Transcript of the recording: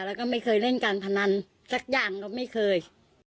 แล้วก็ไม่เคยเล่นการพนันสักอย่างก็ไม่เคย